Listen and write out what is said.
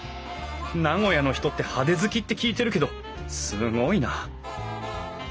名古屋の人って派手好きって聞いてるけどすごいな。